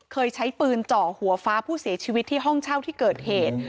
เคยใช้ปืนเจาะหัวฟ้าผู้เสียชีวิตที่ห้องเช่าที่เกิดเหตุ